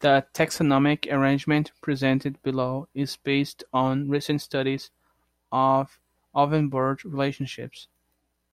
The taxonomic arrangement presented below is based on recent studies of ovenbird relationships.